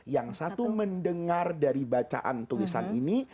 yang satu mendengar dari bacaan tulisan ini